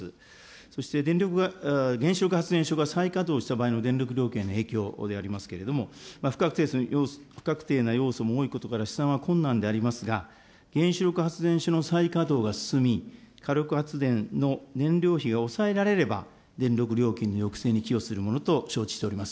そして原子力発電所が再稼働した場合の電力料金への影響でありますけれども、不確定な要素も多いことから、試算は困難でありますが、原子力発電所の再稼働が進み、火力発電の燃料費が抑えられれば、電力料金の抑制に寄与するものと承知をしております。